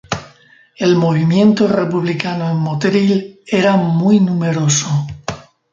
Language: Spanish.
El movimiento republicano en Motril era muy numeroso.